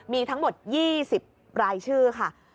มีทั้งหมด๒๐รายชื่อค่ะ